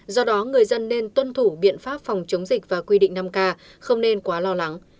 do đó người dân nên tuân thủ biện pháp phòng chống dịch và quy định năm k không nên quá lo lắng